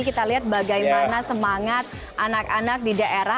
kita lihat bagaimana semangat anak anak di daerah